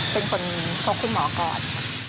เป็นคนชกคุณหมอก่อน